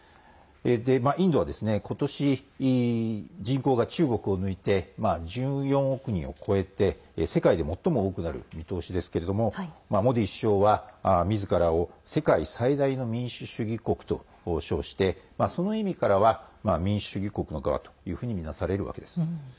インドは今年、人口が中国を抜いて１４億人を超えて世界で最も多くなる見通しですがモディ首相は、みずからを世界最大の民主主義国と称してその意味からは、民主主義国とみなされるわけです。